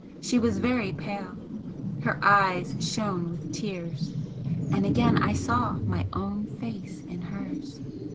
She was very pale her eyes shone with tears and again I saw MY OWN FACE IN HERS.